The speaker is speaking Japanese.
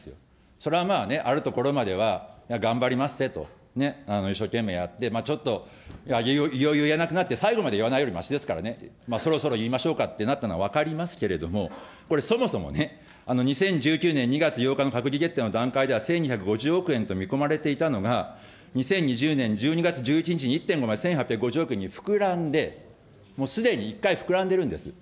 それはまあね、あるところまでは頑張りまっせと、一生懸命やって、ちょっといよいよ言えなくなって、最後まで言わないよりそろそろ言いましょうかってなったのは分かりますけれども、これ、そもそもね、２０１９年２月８日の閣議決定の段階では１２５０億円と見込まれていたのが、２０２０年１２月５日に１．５倍１８５０億円に膨らんで、すでに一回膨らんでるんです。